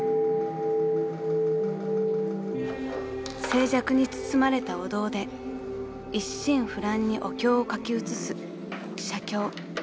［静寂に包まれたお堂で一心不乱にお経を書き写す写経］